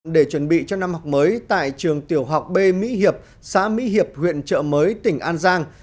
để chuẩn bị cho năm học mới tại trường tiểu học b mỹ hiệp xã mỹ hiệp huyện trợ mới tỉnh an giang